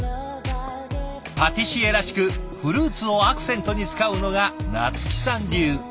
パティシエらしくフルーツをアクセントに使うのが菜月さん流。